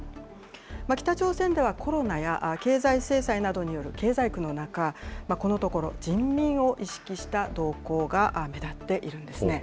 北朝鮮ではコロナや経済制裁などによる経済苦の中、このところ、人民を意識した動向が目立っているんですね。